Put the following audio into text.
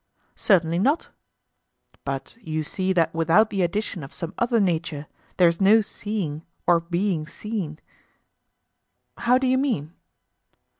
Certainly not. But you see that without the addition of some other nature there is no seeing or being seen? How do you mean?